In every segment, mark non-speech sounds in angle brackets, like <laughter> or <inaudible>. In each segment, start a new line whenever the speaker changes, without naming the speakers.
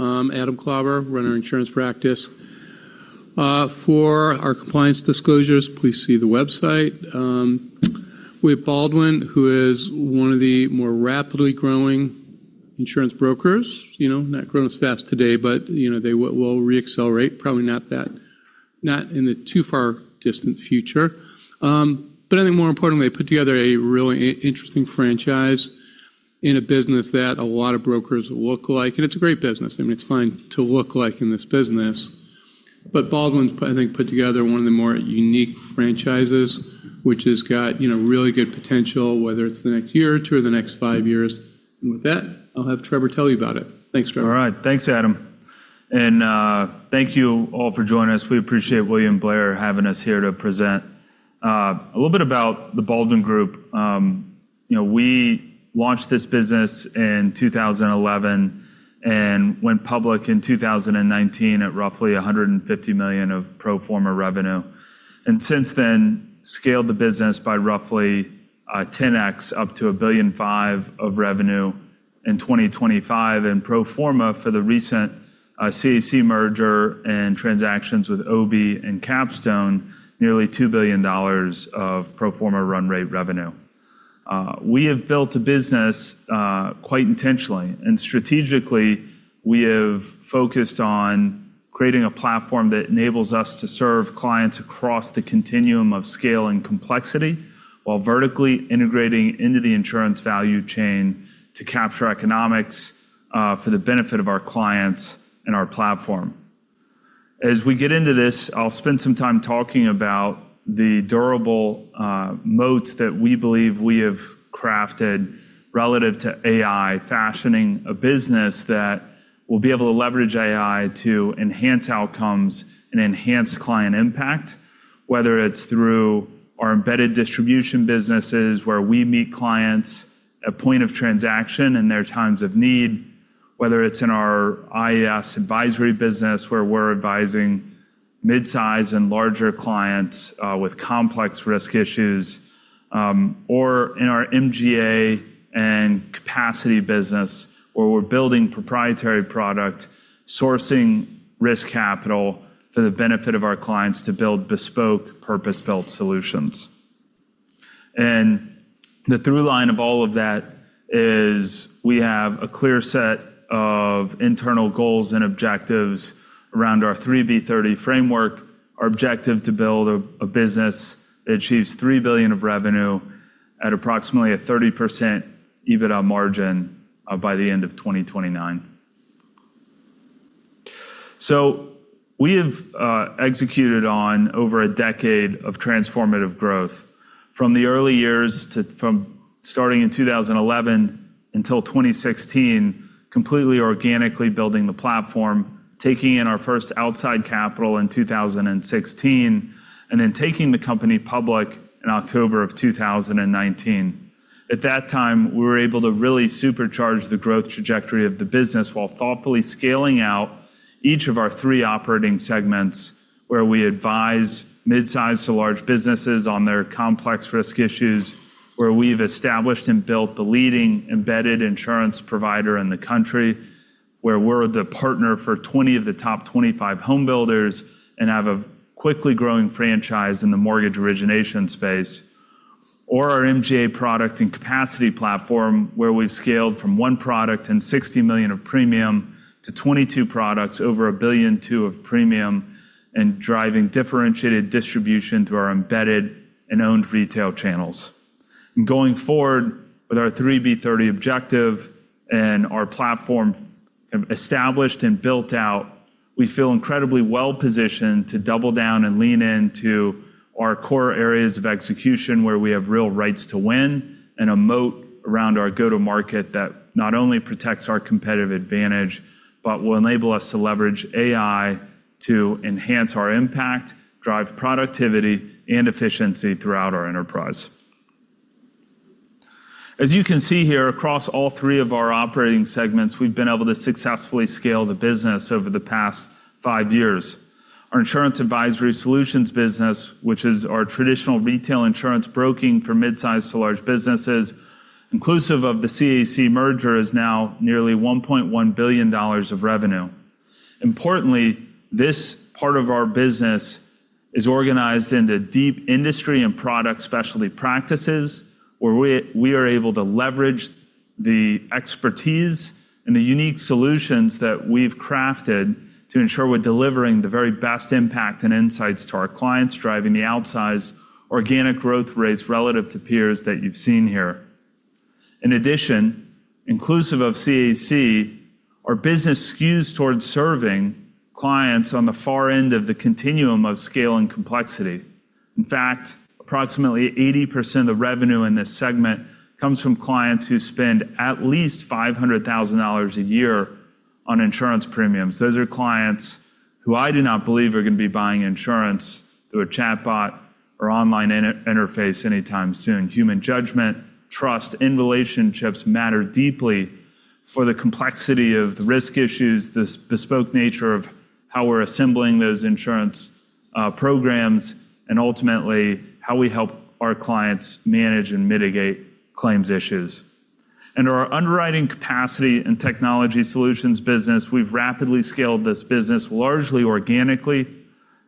I'm Adam Klauber, runs the insurance practice. For our compliance disclosures, please see the website. We have Baldwin, who is one of the more rapidly growing insurance brokers. Not growing as fast today, they will re-accelerate, probably not in the too far distant future. I think more importantly, put together a really interesting franchise in a business that a lot of brokers look like. It's a great business. I mean, it's fine to look like in this business. Baldwin's, I think, put together one of the more unique franchises, which has got really good potential, whether it's the next year or two or the next five years. With that, I'll have Trevor tell you about it. Thanks, Trevor.
All right. Thanks, Adam. Thank you all for joining us. We appreciate William Blair having us here to present. A little bit about The Baldwin Group. We launched this business in 2011 and went public in 2019 at roughly $150 million of pro forma revenue. Since then, scaled the business by roughly 10X up to $1.5 billion of revenue in 2025 in pro forma for the recent CAC merger and transactions with Obie and Capstone, nearly $2 billion of pro forma run rate revenue. We have built a business quite intentionally and strategically, we have focused on creating a platform that enables us to serve clients across the continuum of scale and complexity while vertically integrating into the insurance value chain to capture economics for the benefit of our clients and our platform. As we get into this, I'll spend some time talking about the durable moats that we believe we have crafted relative to AI, fashioning a business that will be able to leverage AI to enhance outcomes and enhance client impact, whether it's through our embedded distribution businesses, where we meet clients at point of transaction in their times of need. Whether it's in our IAS advisory business, where we're advising midsize and larger clients with complex risk issues or in our MGA and capacity business, where we're building proprietary product sourcing risk capital for the benefit of our clients to build bespoke, purpose-built solutions. The through line of all of that is we have a clear set of internal goals and objectives around our 3B30 framework. Our objective to build a business that achieves $3 billion of revenue at approximately a 30% EBITDA margin by the end of 2029. We have executed on over a decade of transformative growth from the early years from starting in 2011 until 2016, completely organically building the platform, taking in our first outside capital in 2016, and then taking the company public in October of 2019. At that time, we were able to really supercharge the growth trajectory of the business while thoughtfully scaling out each of our three operating segments, where we advise midsize to large businesses on their complex risk issues, where we've established and built the leading embedded insurance provider in the country, where we're the partner for 20 of the top 25 home builders and have a quickly growing franchise in the mortgage origination space, or our MGA product and capacity platform, where we've scaled from one product and $60 million of premium to 22 products over $1.2 billion of premium, and driving differentiated distribution through our embedded and owned retail channels. Going forward with our 3B30 objective and our platform established and built out, we feel incredibly well-positioned to double down and lean into our core areas of execution, where we have real rights to win and a moat around our go-to market that not only protects our competitive advantage, but will enable us to leverage AI to enhance our impact, drive productivity and efficiency throughout our enterprise. As you can see here, across all three of our operating segments, we've been able to successfully scale the business over the past five years. Our Insurance Advisory Solutions business, which is our traditional retail insurance broking for midsize to large businesses, inclusive of the CAC merger, is now nearly $1.1 billion of revenue. Importantly, this part of our business is organized into deep industry and product specialty practices, where we are able to leverage the expertise and the unique solutions that we've crafted to ensure we're delivering the very best impact and insights to our clients, driving the outsized organic growth rates relative to peers that you've seen here. In addition, inclusive of CAC, our business skews towards serving clients on the far end of the continuum of scale and complexity. In fact, approximately 80% of revenue in this segment comes from clients who spend at least $500,000 a year on insurance premiums. Those are clients who I do not believe are going to be buying insurance through a chatbot or online interface anytime soon. Human judgment, trust in relationships matter deeply for the complexity of the risk issues, this bespoke nature of how we're assembling those insurance programs, and ultimately how we help our clients manage and mitigate claims issues. In our Underwriting, Capacity, and Technology Solutions business, we've rapidly scaled this business largely organically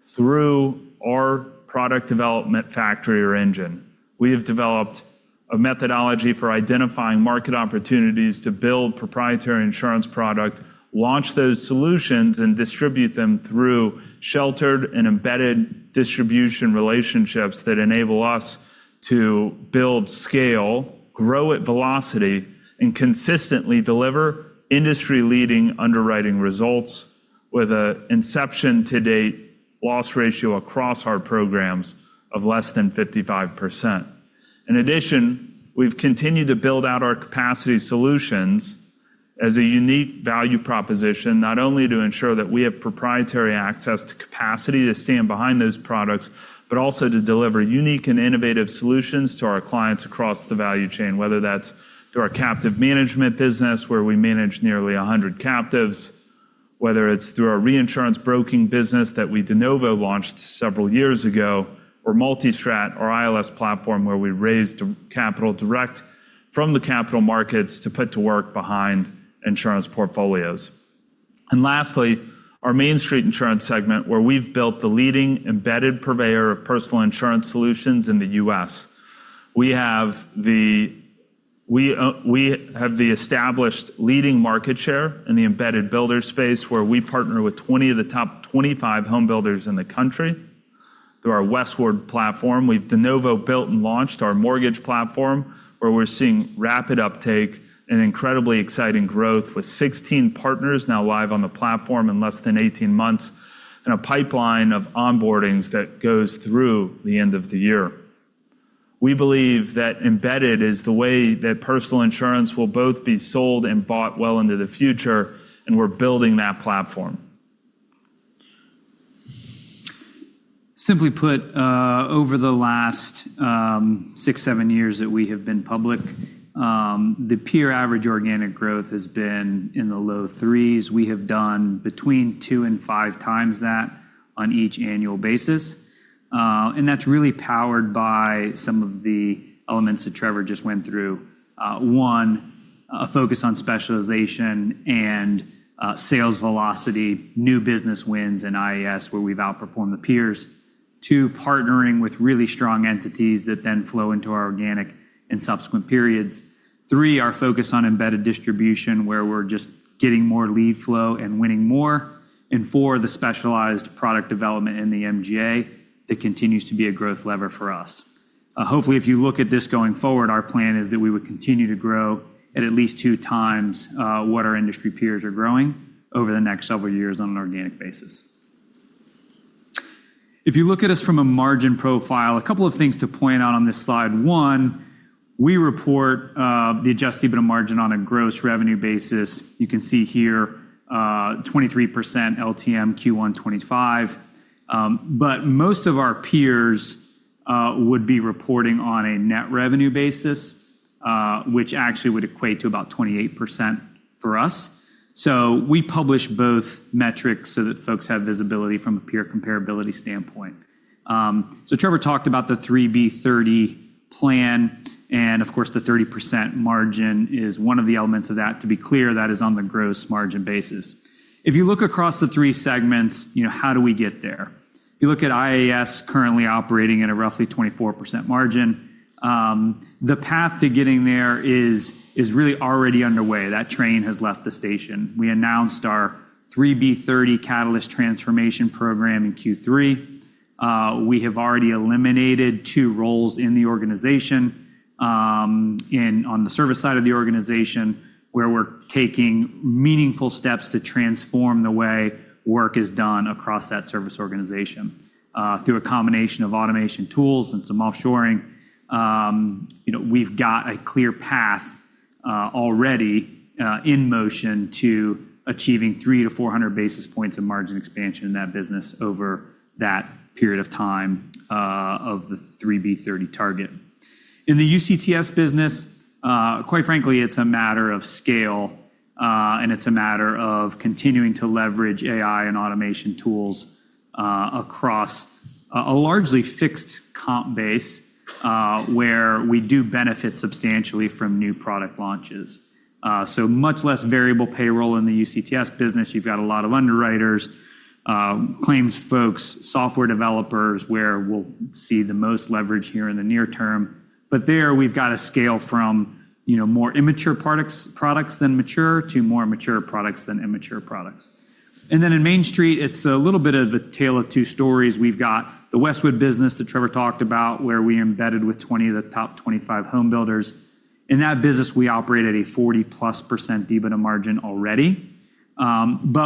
through our product development factory or engine. We have developed a methodology for identifying market opportunities to build proprietary insurance product, launch those solutions, and distribute them through sheltered and embedded distribution relationships that enable us to build scale, grow at velocity, and consistently deliver industry-leading underwriting results with an inception-to-date loss ratio across our programs of less than 55%. In addition, we've continued to build out our capacity solutions as a unique value proposition, not only to ensure that we have proprietary access to capacity to stand behind those products, but also to deliver unique and innovative solutions to our clients across the value chain, whether that's through our captive management business, where we manage nearly 100 captives. Whether it's through our reinsurance broking business that we de novo launched several years ago, or MultiStrat, our ILS platform, where we raised capital direct from the capital markets to put to work behind insurance portfolios. Lastly, our Mainstreet Insurance segment, where we've built the leading embedded purveyor of personal insurance solutions in the U.S. We have the established leading market share in the embedded builder space, where we partner with 20 of the top 25 home builders in the country through our Westwood platform. We've de novo built and launched our mortgage platform, where we're seeing rapid uptake and incredibly exciting growth with 16 partners now live on the platform in less than 18 months, and a pipeline of onboardings that goes through the end of the year. We believe that embedded is the way that personal insurance will both be sold and bought well into the future, and we're building that platform.
Simply put, over the last six, seven years that we have been public, the peer average organic growth has been in the low 3s. We have done between 2x and 5x that on each annual basis. That's really powered by some of the elements that Trevor just went through. One, a focus on specialization and sales velocity, new business wins in IAS where we've outperformed the peers. Two, partnering with really strong entities that then flow into our organic and subsequent periods. Three, our focus on embedded distribution, where we're just getting more lead flow and winning more. Four, the specialized product development in the MGA that continues to be a growth lever for us. Hopefully, if you look at this going forward, our plan is that we would continue to grow at least 2x what our industry peers are growing over the next several years on an organic basis. If you look at us from a margin profile, a couple of things to point out on this slide. One, we report the adjusted EBITDA margin on a gross revenue basis. You can see here, 23% LTM Q1 2025. Most of our peers would be reporting on a net revenue basis, which actually would equate to about 28% for us. We publish both metrics so that folks have visibility from a peer comparability standpoint. Trevor talked about the 3B30 plan, and of course, the 30% margin is one of the elements of that. To be clear, that is on the gross margin basis. If you look across the three segments, how do we get there? If you look at IAS currently operating at a roughly 24% margin, the path to getting there is really already underway. That train has left the station. We announced our 3B30 Catalyst program in Q3. We have already eliminated two roles in the organization, on the service side of the organization, where we're taking meaningful steps to transform the way work is done across that service organization. Through a combination of automation tools and some offshoring, we've got a clear path already in motion to achieving 300 to 400 basis points of margin expansion in that business over that period of time of the 3B30 target. In the UCTS business, quite frankly, it's a matter of scale, and it's a matter of continuing to leverage AI and automation tools across a largely fixed comp base, where we do benefit substantially from new product launches. Much less variable payroll in the UCTS business. You've got a lot of underwriters, claims folks, software developers, where we'll see the most leverage here in the near term. There, we've got to scale from more immature products than mature to more mature products than immature products. In Mainstreet, it's a little bit of a tale of two stories. We've got the Westwood business that Trevor talked about, where we embedded with 20 of the top 25 home builders. In that business, we operate at a 40%+ EBITDA margin already.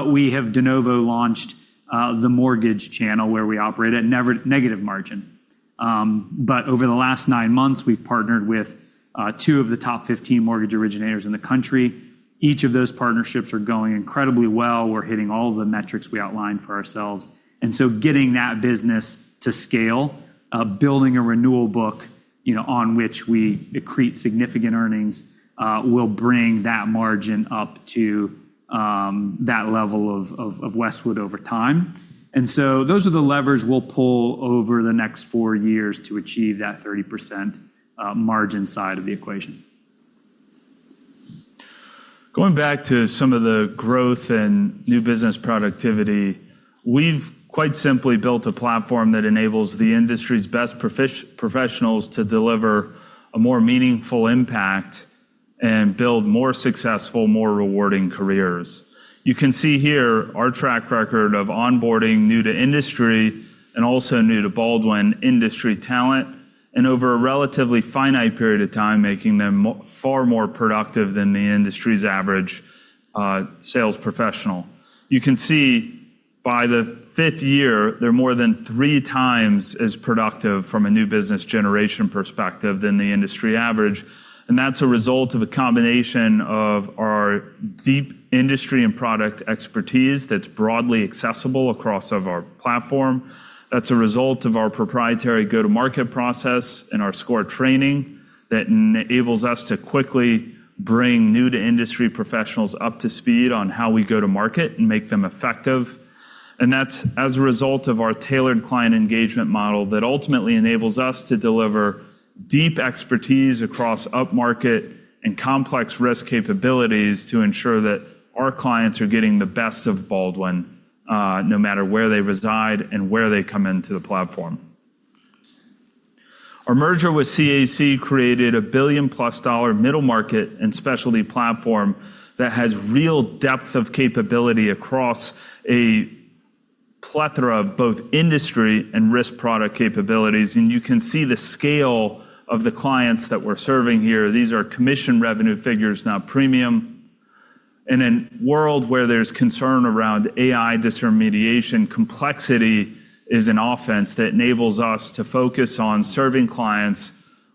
We have de novo launched the mortgage channel, where we operate at negative margin. Over the last nine months, we've partnered with two of the top 15 mortgage originators in the country. Each of those partnerships are going incredibly well. We're hitting all the metrics we outlined for ourselves. Getting that business to scale, building a renewal book on which we accrete significant earnings will bring that margin up to that level of Westwood over time. Those are the levers we'll pull over the next four years to achieve that 30% margin side of the equation.
Going back to some of the growth and new business productivity, we've quite simply built a platform that enables the industry's best professionals to deliver a more meaningful impact and build more successful, more rewarding careers. You can see here our track record of onboarding new to industry and also new to Baldwin industry talent, and over a relatively finite period of time, making them far more productive than the industry's average sales professional. You can see by the fifth year, they're more than 3x as productive from a new business generation perspective than the industry average. That's a result of a combination of our deep industry and product expertise that's broadly accessible across our platform. That's a result of our proprietary go-to-market process and our Score Training that enables us to quickly bring new to industry professionals up to speed on how we go to market and make them effective. That's as a result of our tailored client engagement model that ultimately enables us to deliver deep expertise across upmarket and complex risk capabilities to ensure that our clients are getting the best of Baldwin, no matter where they reside and where they come into the platform. Our merger with CAC created $1 billion+ middle market and specialty platform that has real depth of capability across a plethora of both industry and risk product capabilities, and you can see the scale of the clients that we're serving here. These are commission revenue figures, not premium. In a world where there's concern around AI disintermediation, complexity is an offense that enables us to focus on serving clients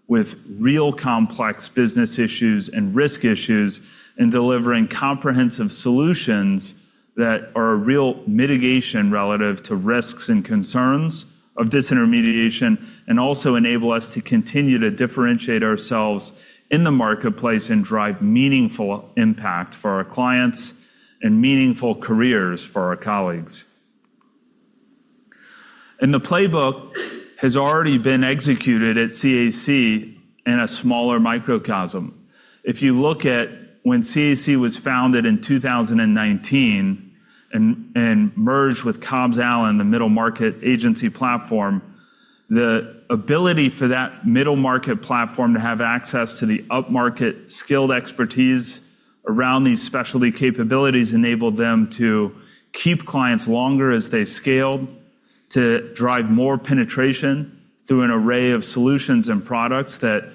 with real complex business issues and risk issues, and delivering comprehensive solutions that are a real mitigation relative to risks and concerns of disintermediation, and also enable us to continue to differentiate ourselves in the marketplace and drive meaningful impact for our clients and meaningful careers for our colleagues. The playbook has already been executed at CAC in a smaller microcosm. If you look at when CAC was founded in 2019 and merged with Cobbs Allen, the middle market agency platform, the ability for that middle market platform to have access to the upmarket skilled expertise around these specialty capabilities enabled them to keep clients longer as they scaled, to drive more penetration through an array of solutions and products that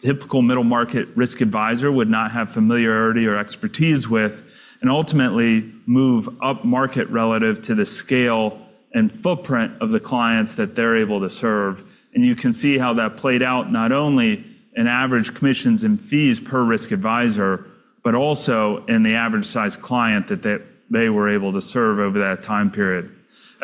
typical middle market risk advisor would not have familiarity or expertise with, and ultimately move up market relative to the scale and footprint of the clients that they're able to serve. You can see how that played out not only in average commissions and fees per risk advisor, but also in the average size client that they were able to serve over that time period.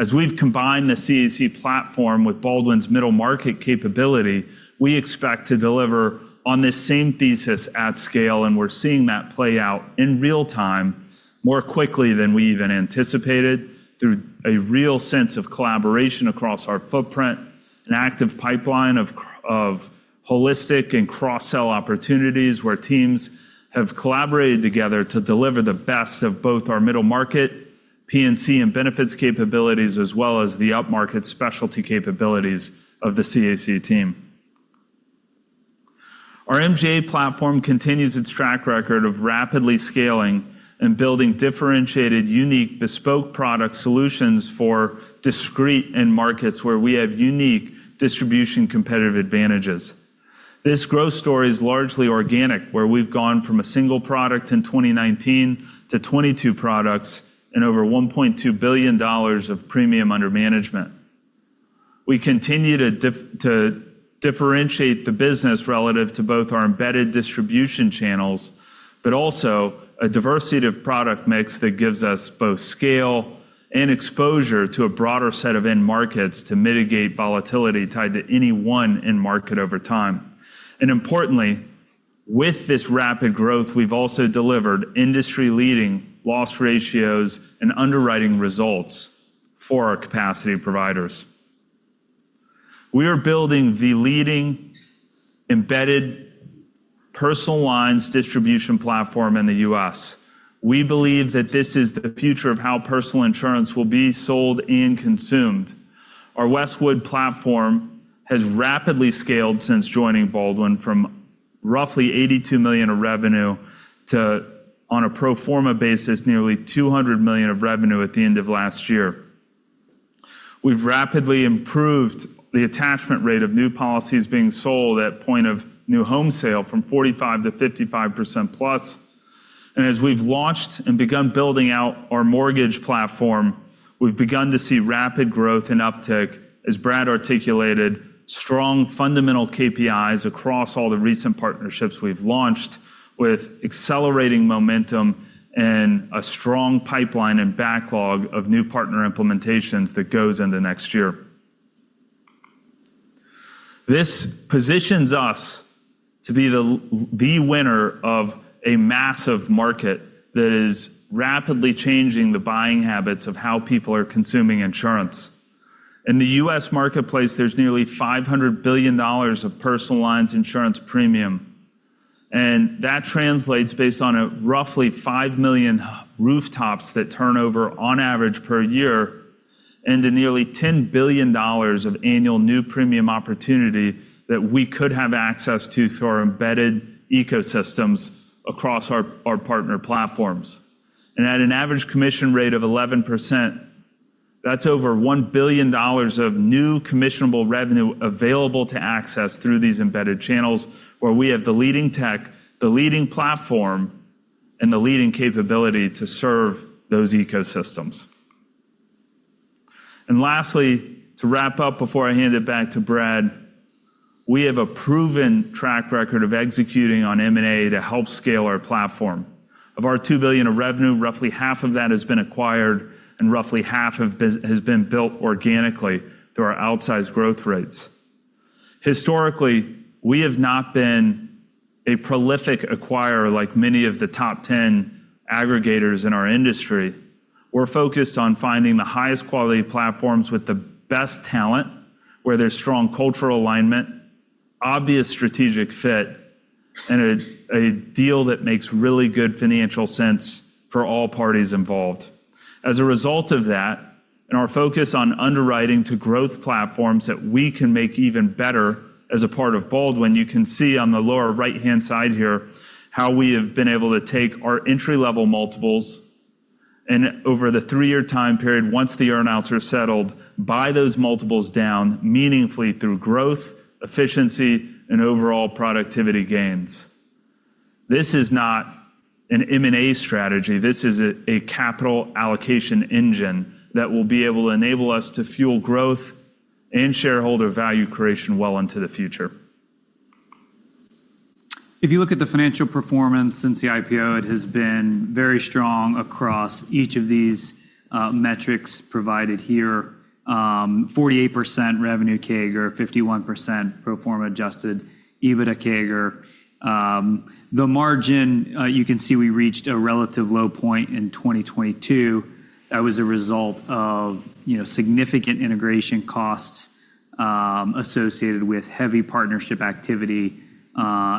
As we've combined the CAC Group platform with Baldwin's middle market capability, we expect to deliver on this same thesis at scale, and we're seeing that play out in real time more quickly than we even anticipated through a real sense of collaboration across our footprint, an active pipeline of holistic and cross-sell opportunities where teams have collaborated together to deliver the best of both our middle market P&C and benefits capabilities as well as the upmarket specialty capabilities of the CAC team. Our MGA platform continues its track record of rapidly scaling and building differentiated, unique, bespoke product solutions for discrete end markets where we have unique distribution competitive advantages. This growth story is largely organic, where we've gone from a single product in 2019 to 22 products and over $1.2 billion of premium under management. We continue to differentiate the business relative to both our embedded distribution channels, but also a diversity of product mix that gives us both scale and exposure to a broader set of end markets to mitigate volatility tied to any one end market over time. Importantly, with this rapid growth, we've also delivered industry-leading loss ratios and underwriting results for our capacity providers. We are building the leading embedded personal lines distribution platform in the U.S. We believe that this is the future of how personal insurance will be sold and consumed. Our Westwood platform has rapidly scaled since joining Baldwin from roughly $82 million of revenue to, on a pro forma basis, nearly $200 million of revenue at the end of last year. We've rapidly improved the attachment rate of new policies being sold at point of new home sale from 45% to 55%+. As we've launched and begun building out our mortgage platform, we've begun to see rapid growth and uptick, as Brad articulated, strong fundamental KPIs across all the recent partnerships we've launched with accelerating momentum and a strong pipeline and backlog of new partner implementations that goes into next year. This positions us to be the winner of a massive market that is rapidly changing the buying habits of how people are consuming insurance. In the U.S. marketplace, there's nearly $500 billion of personal lines insurance premium, and that translates based on a roughly 5 million rooftops that turn over on average per year into nearly $10 billion of annual new premium opportunity that we could have access to through our embedded ecosystems across our partner platforms. At an average commission rate of 11%, that's over $1 billion of new commissionable revenue available to access through these embedded channels, where we have the leading tech, the leading platform, and the leading capability to serve those ecosystems. Lastly, to wrap up before I hand it back to Brad, we have a proven track record of executing on M&A to help scale our platform. Of our $2 billion of revenue, roughly half of that has been acquired and roughly half has been built organically through our outsized growth rates. Historically, we have not been a prolific acquirer like many of the top 10 aggregators in our industry. We're focused on finding the highest quality platforms with the best talent, where there's strong cultural alignment, obvious strategic fit, and a deal that makes really good financial sense for all parties involved. As a result of that, and our focus on underwriting to growth platforms that we can make even better as a part of Baldwin, you can see on the lower right-hand side here how we have been able to take our entry-level multiples and over the three-year time period, once the earn-outs are settled, buy those multiples down meaningfully through growth, efficiency, and overall productivity gains. This is not an M&A strategy. This is a capital allocation engine that will be able to enable us to fuel growth and shareholder value creation well into the future.
If you look at the financial performance since the IPO, it has been very strong across each of these metrics provided here. 48% revenue CAGR, 51% pro forma adjusted EBITDA CAGR. The margin, you can see we reached a relative low point in 2022. That was a result of significant integration costs associated with heavy partnership activity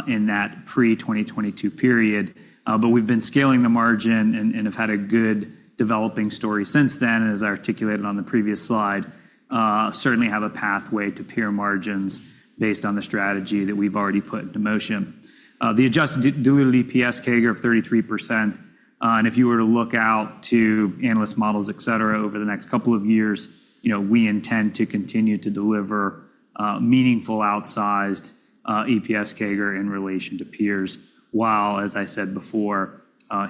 in that pre-2022 period. We've been scaling the margin and have had a good developing story since then, and as I articulated on the previous slide, certainly have a pathway to peer margins based on the strategy that we've already put into motion. The adjusted diluted EPS CAGR of 33%. If you were to look out to analyst models, et cetera, over the next couple of years, we intend to continue to deliver meaningful outsized EPS CAGR in relation to peers, while, as I said before,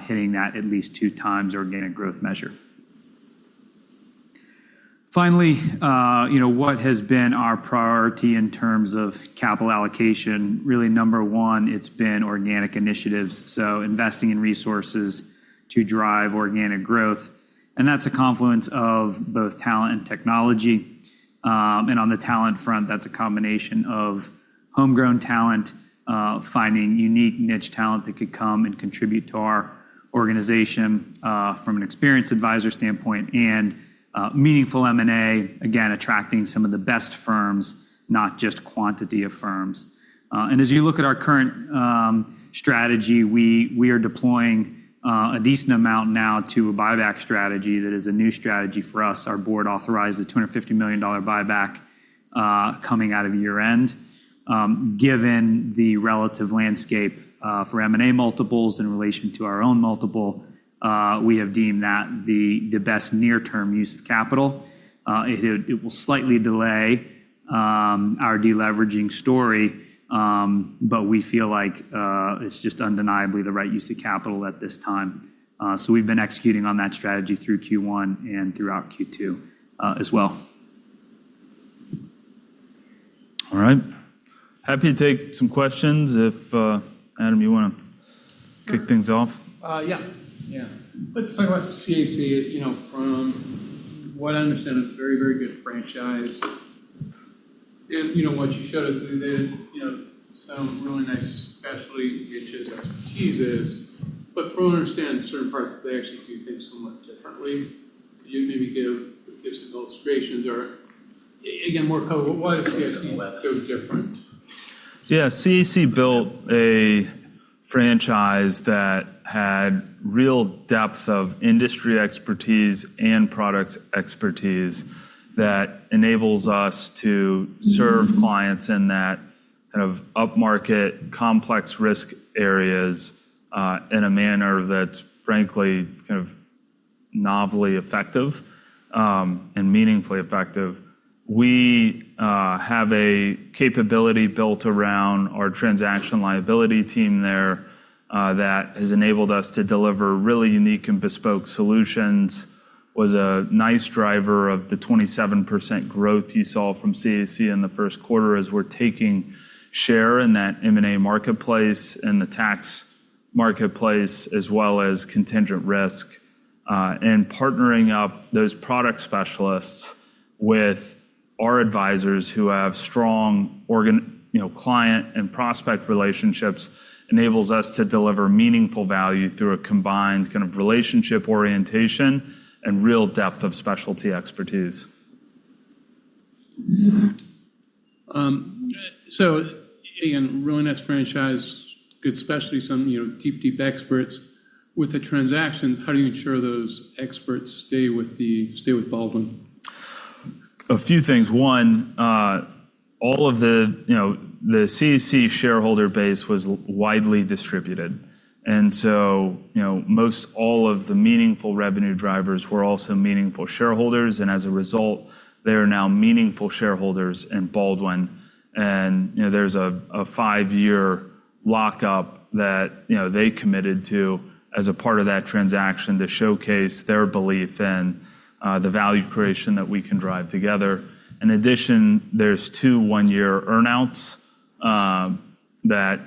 hitting that at least 2x organic growth measure. Finally, what has been our priority in terms of capital allocation? Really number one, it's been organic initiatives, so investing in resources to drive organic growth. That's a confluence of both talent and technology. On the talent front, that's a combination of homegrown talent, finding unique niche talent that could come and contribute to our organization from an experience advisor standpoint and meaningful M&A, again, attracting some of the best firms, not just quantity of firms. As you look at our current strategy, we are deploying a decent amount now to a buyback strategy that is a new strategy for us. Our board authorized a $250 million buyback coming out of year-end. Given the relative landscape for M&A multiples in relation to our own multiple, we have deemed that the best near-term use of capital. It will slightly delay our de-leveraging story, but we feel like it's just undeniably the right use of capital at this time. We've been executing on that strategy through Q1 and throughout Q2 as well.
All right. Happy to take some questions if, Adam, you want to kick things off?
Yeah. Let's talk about CAC. From what I understand, a very, very good franchise. What you showed us, we did some really nice specialty niches, expertise. From what I understand, certain parts, they actually do things somewhat differently. Could you maybe give some illustrations or, again, more color? Why does CAC do it different? <audio distortion>
Yeah. CAC built a franchise that had real depth of industry expertise and product expertise that enables us to serve clients in that kind of upmarket complex risk areas, in a manner that's frankly kind of novelly effective and meaningfully effective. We have a capability built around our transaction liability team there that has enabled us to deliver really unique and bespoke solutions. Was a nice driver of the 27% growth you saw from CAC in the first quarter as we're taking share in that M&A marketplace and the tax marketplace, as well as contingent risk. Partnering up those product specialists with our advisors who have strong client and prospect relationships enables us to deliver meaningful value through a combined relationship orientation and real depth of specialty expertise.
Again, really nice franchise, good specialty, some deep experts. With the transaction, how do you ensure those experts stay with Baldwin?
A few things. One, all of the CAC shareholder base was widely distributed, most all of the meaningful revenue drivers were also meaningful shareholders, and as a result, they are now meaningful shareholders in Baldwin. There's a five-year lockup that they committed to as a part of that transaction to showcase their belief in the value creation that we can drive together. In addition, there's two one-year earn-outs that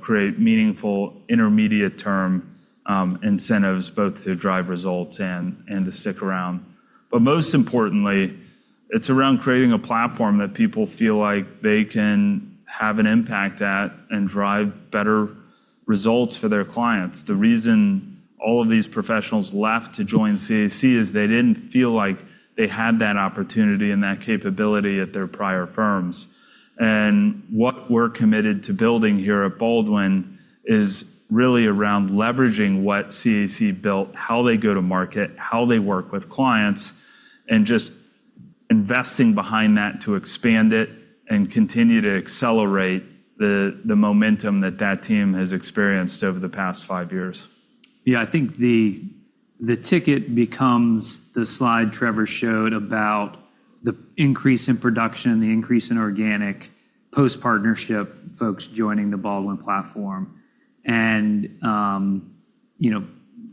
create meaningful intermediate term incentives, both to drive results and to stick around. Most importantly, it's around creating a platform that people feel like they can have an impact at and drive better results for their clients. The reason all of these professionals left to join CAC is they didn't feel like they had that opportunity and that capability at their prior firms. What we're committed to building here at Baldwin is really around leveraging what CAC built, how they go to market, how they work with clients, and just investing behind that to expand it and continue to accelerate the momentum that that team has experienced over the past five years.
Yeah, I think the ticket becomes the slide Trevor showed about the increase in production, the increase in organic post-partnership folks joining the Baldwin platform.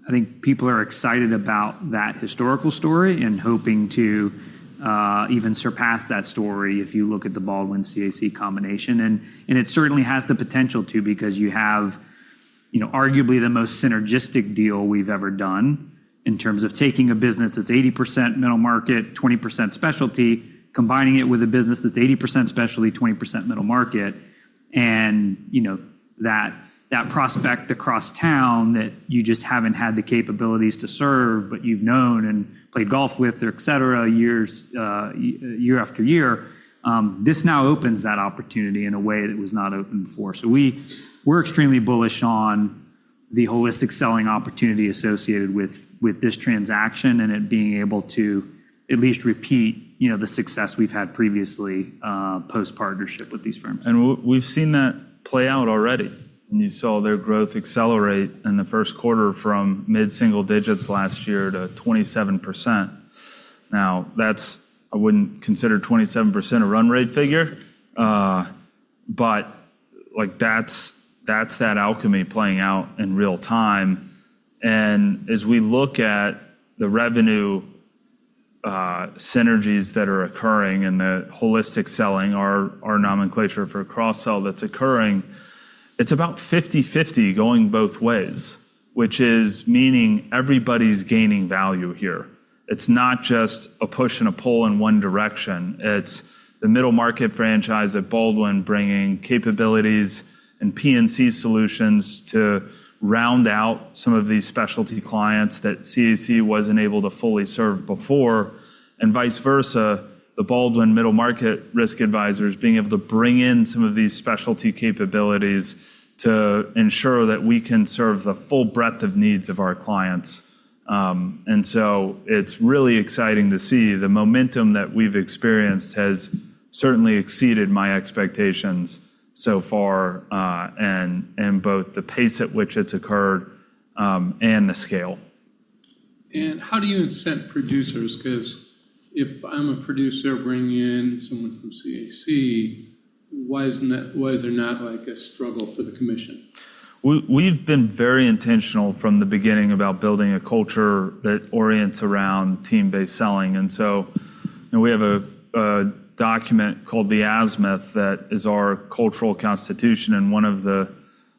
I think people are excited about that historical story and hoping to even surpass that story if you look at the Baldwin CAC combination. It certainly has the potential to because you have arguably the most synergistic deal we've ever done in terms of taking a business that's 80% middle market, 20% specialty, combining it with a business that's 80% specialty, 20% middle market. That prospect across town that you just haven't had the capabilities to serve, but you've known and played golf with, et cetera, year after year, this now opens that opportunity in a way that was not open before. We're extremely bullish on the holistic selling opportunity associated with this transaction and it being able to at least repeat the success we've had previously, post-partnership with these firms.
We've seen that play out already. You saw their growth accelerate in the first quarter from mid-single digits last year to 27%. Now, I wouldn't consider 27% a run rate figure, but that's that alchemy playing out in real time. As we look at the revenue synergies that are occurring and the holistic selling, our nomenclature for cross-sell that's occurring, it's about 50/50 going both ways, which is meaning everybody's gaining value here. It's not just a push and a pull in one direction. It's the middle market franchise at Baldwin bringing capabilities and P&C solutions to round out some of these specialty clients that CAC wasn't able to fully serve before, and vice versa, the Baldwin middle market risk advisors being able to bring in some of these specialty capabilities to ensure that we can serve the full breadth of needs of our clients. It's really exciting to see. The momentum that we've experienced has certainly exceeded my expectations so far, in both the pace at which it's occurred, and the scale.
How do you incent producers? Because if I'm a producer bringing in someone from CAC, why is there not a struggle for the commission?
We've been very intentional from the beginning about building a culture that orients around team-based selling. We have a document called The Azimuth that is our cultural constitution, and one of the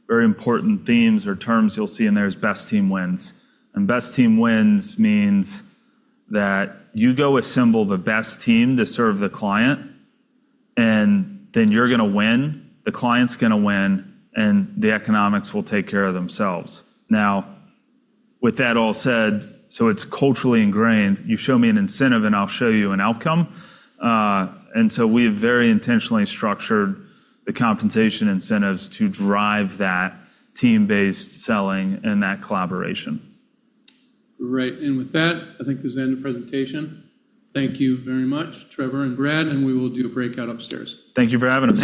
very important themes or terms you'll see in there is best team wins. Best team wins means that you go assemble the best team to serve the client, and then you're going to win, the client's going to win, and the economics will take care of themselves. Now, with that all said, it's culturally ingrained. You show me an incentive, and I'll show you an outcome. We have very intentionally structured the compensation incentives to drive that team-based selling and that collaboration.
Right. With that, I think this is the end of presentation. Thank you very much, Trevor and Brad. We will do a breakout upstairs.
Thank you for having us.